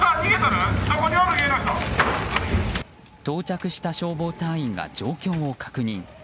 到着した消防隊員が状況を確認。